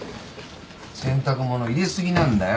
洗濯物入れ過ぎなんだよ。